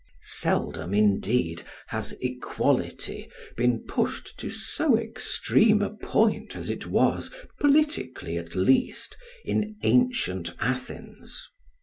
Seldom, indeed, has "equality" been pushed to so extreme a point as it was, politically at least, in ancient Athens.